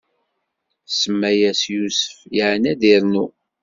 Tsemma-yas Yusef, yeɛni ad d-irnu.